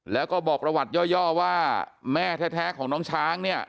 แล้วก็บอกประวัติย่อว่าแม่แท้ของน้องช้างเนี่ย